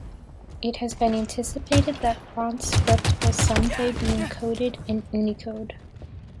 It has been anticipated that Bronze script will some day be encoded in Unicode.